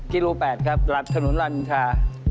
กิโล๘ครับหลักถนนลันทา